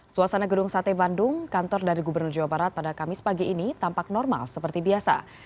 suasana gedung sate bandung kantor dari gubernur jawa barat pada kamis pagi ini tampak normal seperti biasa